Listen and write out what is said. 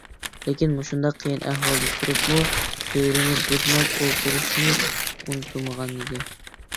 لېكىن، مۇشۇنداق قىيىن ئەھۋالدا تۇرۇپمۇ سۈرىنى بۇزماي ئولتۇرۇشنى ئۇنتۇمىغانىدى.